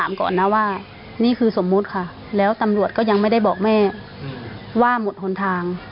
พ่อหรือครับพ่อก็เชื่อมั่นอยู่ครับ